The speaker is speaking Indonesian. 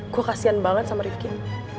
gue kasian banget sama rivkin